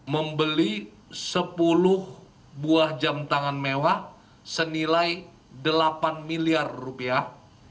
membeli sepuluh buah jam tangan mewah senilai delapan miliar rupiah